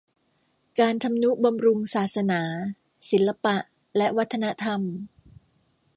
การทำนุบำรุงศาสนา ศิลปะและวัฒนธรรม